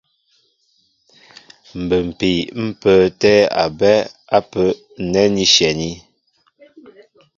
Mbə́mpii ḿ pə́ə́tɛ́ a bɛ́ ápə́ nɛ́ ní shyɛní.